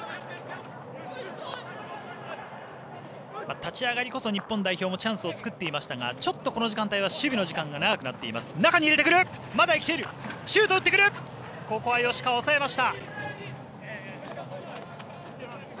立ち上がりこそ日本代表はチャンスを作っていましたがちょっとこの時間帯は守備の時間が長くなっています。